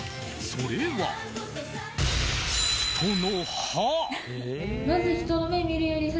それは、人の歯。